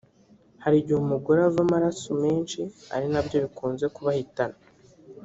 hari igihe umugore ava amaraso menshi ari na byo bikunze kubahitana